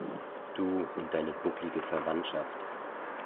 Du und deine bucklige Verwandschaft.